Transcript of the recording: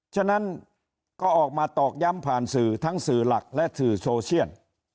ฉะนั้นก็ออกมาตอกย้ำผ่านสื่อทั้งสื่อหลักและสื่อโซเชียน